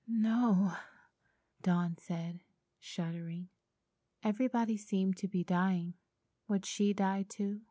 "No," said Dawn, shuddering. Everybody seemed to be dying.